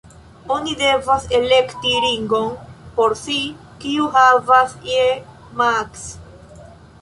Oni devas elekti ringon por si, kiu havas je maks.